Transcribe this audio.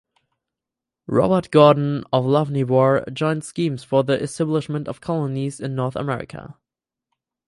Robert Gordon of Lochinvar joined schemes for the establishment of colonies in North America.